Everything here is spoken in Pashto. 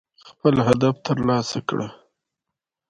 سي ډي يې چالانه کړه دى ولاړ.